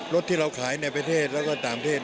รถที่เราขายในประเทศและก็จากประเทศ